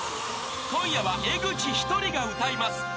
［今夜は江口一人が歌います］